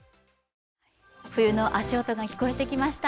冬の足音が聞こえてきました。